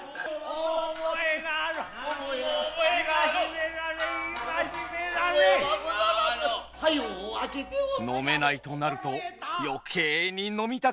飲めないとなると余計に飲みたくなるのが酒飲みの性。